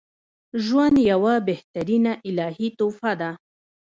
ژوند یوه بهترینه الهی تحفه ده